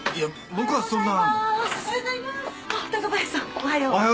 おはよう。